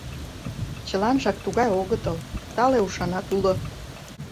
— Чыланжак тугай огытыл, тале ушанат уло.